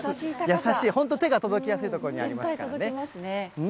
優しい、本当、届きやすい所にありますからね。